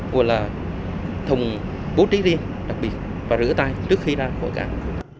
gọi là thùng bố trí riêng đặc biệt và rửa tay trước khi ra bộ cảng